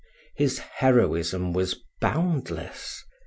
His heroism was boundless.